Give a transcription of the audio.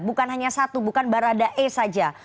bukan hanya satu bukan barada e saja